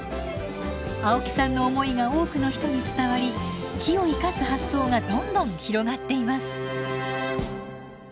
青木さんの思いが多くの人に伝わり木を生かす発想がどんどん広がっています。